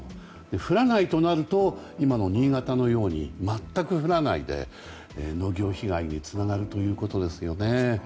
降らないとなると今の新潟のように全く降らないで農業被害につながるということですよね。